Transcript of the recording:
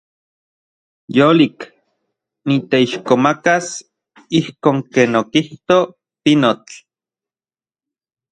Yolik. Niteixkomakas ijkon ken okijto pinotl.